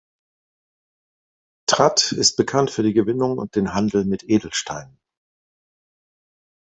Trat ist bekannt für die Gewinnung und den Handel mit Edelsteinen.